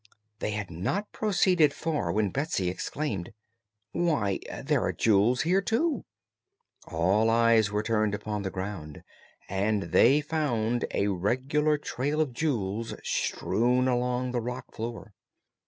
They had not proceeded far when Betsy exclaimed: "Why, there are jewels here, too!" All eyes were turned upon the ground and they found a regular trail of jewels strewn along the rock floor.